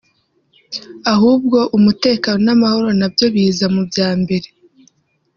ahubwo umutekano n’amahoro nabyo biza mu byambere”